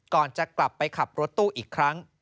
ก่อนจะกลับไปขับรถตู้อีกครั้ง